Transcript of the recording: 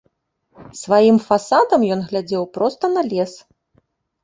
Сваім фасадам ён глядзеў проста на лес.